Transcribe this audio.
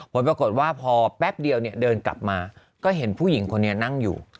ผลปรากฏว่าพอแป๊บเดียวเนี่ยเดินกลับมาก็เห็นผู้หญิงคนนี้นั่งอยู่